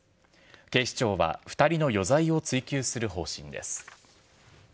警視庁は２人の余罪を追及する方針です。